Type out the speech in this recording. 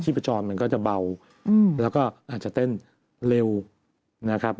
พจรมันก็จะเบาแล้วก็อาจจะเต้นเร็วนะครับ